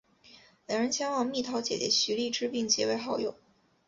两人前往蜜桃姐姐徐荔枝并结为好友。